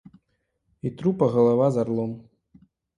І трупа галава з арлом!